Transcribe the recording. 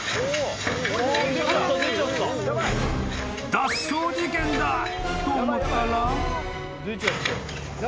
［脱走事件だと思ったら］